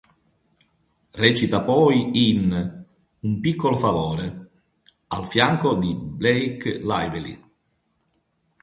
Recita poi in "Un piccolo favore" al fianco di Blake Lively.